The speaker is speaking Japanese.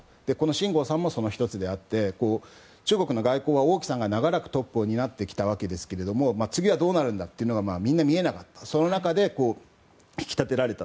シン・ゴウさんもその１つであって中国の外交は、王毅さんがトップを担ってきたわけですが次はどうなるんだというのがみんな見えなかった中で引き立てられた。